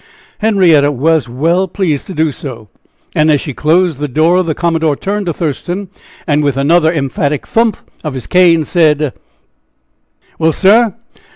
Henrietta was well pleased to do so. And as she closed the door the commodore turned to Thurston, and with another emphatic thump of his cane, said: "Well, sir!